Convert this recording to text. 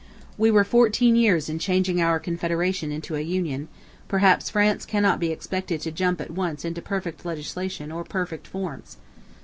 We were fourteen years in changing our confederation into a union, perhaps France cannot be expected to jump at once into perfect legislation or perfect forms.